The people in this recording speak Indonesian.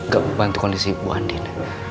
gak membantu kondisi ibu andi